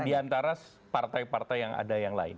di antara partai partai yang ada yang lain